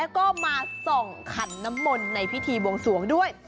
ก็มาส่องขันน้ำมนต์ในพิธีบวงสวงด้วย